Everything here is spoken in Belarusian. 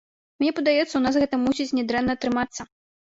Мне падаецца ў нас гэта мусіць не дрэнна атрымацца.